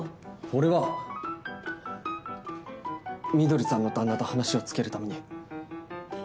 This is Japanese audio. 俺は、翠さんの旦那と話をつけるために。